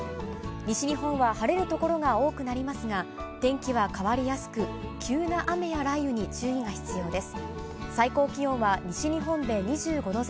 西日本は晴れる所が多くなりますが、天気は変わりやすく、急な雨や雷雨に注意が必要です。